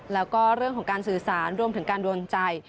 แล้วก็เรื่องของการสื่อสารรวมถึงการโดนใจ